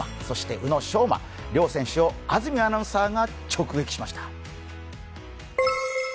そして宇野昌磨両選手を安住アナウンサーが直撃しました。